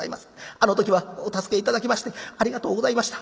あの時はお助け頂きましてありがとうございました。